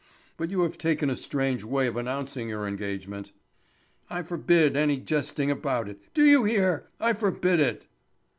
But you have taken a strange way of announcing your engagement." "I forbid any jesting about it. Do you hear? I forbid it."